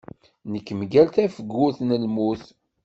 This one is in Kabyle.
Nekk mgal tafgurt n lmut.